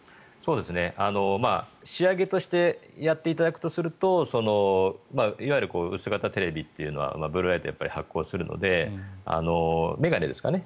仕上げとしてやっていただくとするといわゆる薄型テレビというのはブルーライトを発光するので眼鏡ですかね。